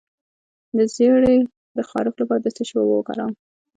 د زیړي د خارښ لپاره د څه شي اوبه وکاروم؟